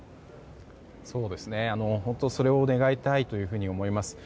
本当にそれを願いたいと思います。